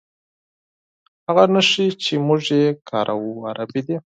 هغه نښې چې موږ یې کاروو عربي دي.